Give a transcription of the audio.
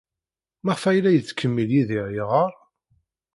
Maɣef ay la yettkemmil Yidir yeɣɣar?